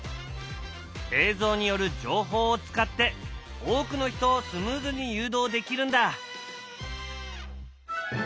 映像による情報を使って多くの人をスムーズに誘導できるんだ！